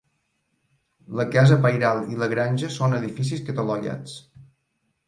La casa pairal i la granja són edificis catalogats.